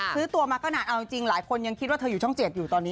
ซื้อตัวมาก็นานเอาจริงหลายคนยังคิดว่าเธออยู่ช่อง๗อยู่ตอนนี้